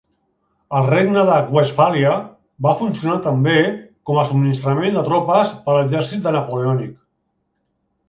El regne de Westfàlia va funcionar també com a subministrament de tropes per l'exèrcit napoleònic.